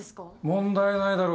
問題ないだろ